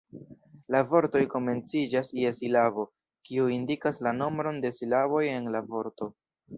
La vortoj komenciĝas je silabo, kiu indikas la nombron de silaboj en la vorto.